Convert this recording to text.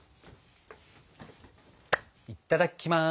いただきます！